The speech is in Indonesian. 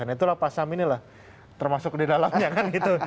itulah pak sam ini lah termasuk di dalamnya kan gitu